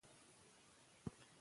ټولنیزې رسنۍ ګټورې او زیانمنې دي.